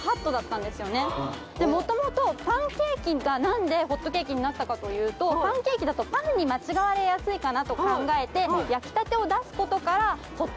でもともとパンケーキが何でホットケーキになったかというとパンケーキだとパンに間違われやすいかなと考えて焼きたてを出すことからホットケーキ。